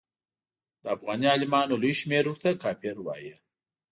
د افغاني عالمانو لوی شمېر ورته کافر وایه.